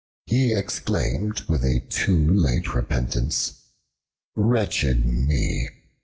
He exclaimed with a too late repentance, "Wretched me!